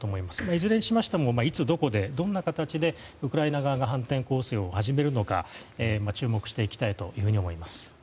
いずれにしましてもいつ、どこで、どんな形でウクライナ側が反転攻勢を始めるのか注目していきたいと思います。